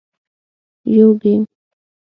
- یو ګېم 🎮